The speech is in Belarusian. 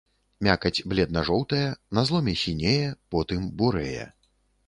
Мякаць бледна-жоўтая, на зломе сінее, потым бурэе.